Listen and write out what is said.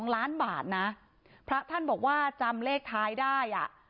๒ล้านบาทนะพระท่านบอกว่าจำเลขท้ายได้อ่ะ